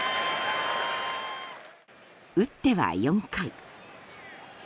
打っては４回。